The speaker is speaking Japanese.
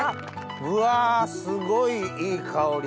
うわすごいいい香り！